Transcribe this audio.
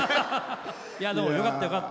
でも、よかった、よかった。